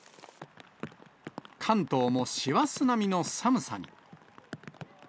関東も師走並みの寒さに。